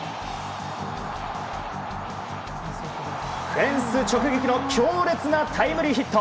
フェンス直撃の強烈なタイムリーヒット！